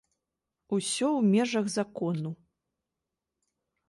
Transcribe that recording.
Усё ў межах закону.